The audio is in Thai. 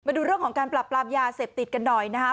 ดูเรื่องของการปรับปรามยาเสพติดกันหน่อยนะครับ